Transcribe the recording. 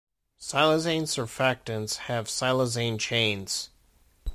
Siloxane surfactants have siloxane chains.